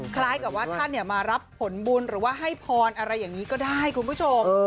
คล้ายกับว่าท่านมารับผลบุญหรือว่าให้พรอะไรอย่างนี้ก็ได้คุณผู้ชม